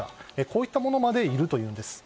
こういったものまでいるんです。